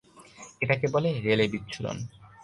এটাকে বলে রেলে বিচ্ছুরণ।